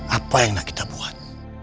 apa yang kita buat